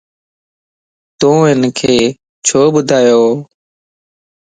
تو ھنک ڇو ٻڌايووَ؟